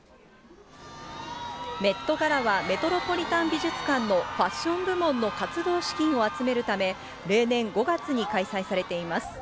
メットガラは、メトロポリタン美術館のファッション部門の活動資金を集めるため、例年５月に開催されています。